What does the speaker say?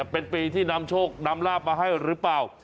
เป็นปีที่นำลาบมาให้หรือเปล่า